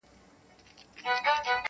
• نسیم دي هر سبا راوړلای نوی نوی زېری -